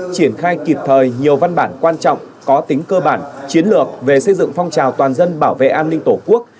triển khai kịp thời nhiều văn bản quan trọng có tính cơ bản chiến lược về xây dựng phong trào toàn dân bảo vệ an ninh tổ quốc